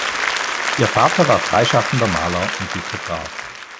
Ihr Vater war freischaffender Maler und Lithograph.